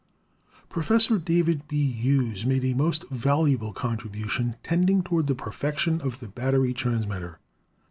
Professor David B. Hughes made a most valuable con tribution tending toward the perfection of the battery transmitter.